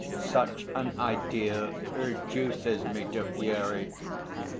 Such an idea reduces me to fury.